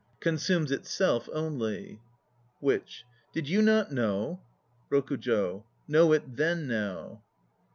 Consumes itself only." 1 WITCH. Did you not know? ROKUJO. Know it then now.